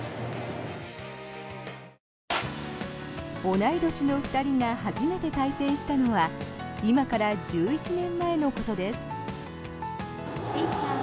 同い年の２人が初めて対戦したのは今から１１年前のことです。